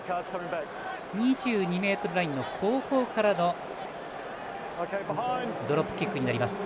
２２ｍラインの後方からのドロップキックになります。